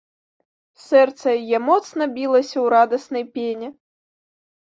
Сэрца яе моцна білася ў радаснай пене.